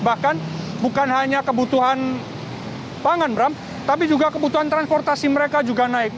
bahkan bukan hanya kebutuhan pangan bram tapi juga kebutuhan transportasi mereka juga naik